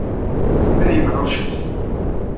Ad yemɛujjet.